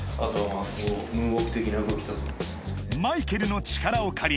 マイケルの力を借り